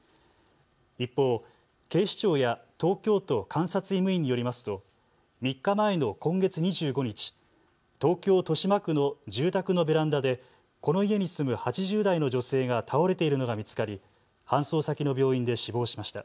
一方、警視庁や東京都監察医務院によりますと３日前の今月２５日、東京豊島区の住宅のベランダでこの家に住む８０代の女性が倒れているのが見つかり搬送先の病院で死亡しました。